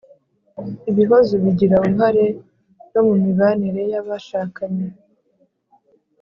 ibihozo bigira uruhare no mu mibanire y’abashakanye